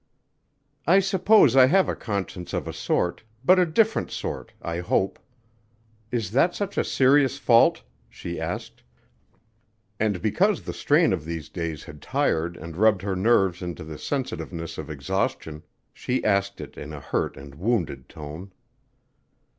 "I suppose I have a conscience of a sort but a different, sort, I hope. Is that such a serious fault?" she asked, and because the strain of these days had tired and rubbed her nerves into the sensitiveness of exhaustion, she asked it in a hurt and wounded tone.